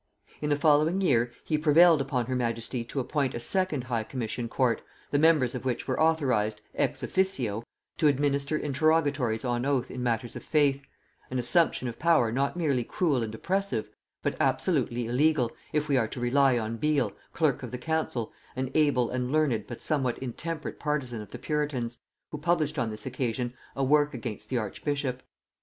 In the following year he prevailed upon her majesty to appoint a second high commission court, the members of which were authorized, ex officio, to administer interrogatories on oath in matters of faith; an assumption of power not merely cruel and oppressive, but absolutely illegal, if we are to rely on Beal, clerk of the council, an able and learned but somewhat intemperate partisan of the puritans, who published on this occasion a work against the archbishop.